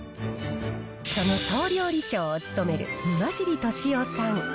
その総料理長を務める沼尻寿夫さん。